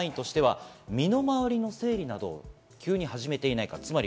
３つ目のサインとしては、身の回りの整理などを急に始めていないか。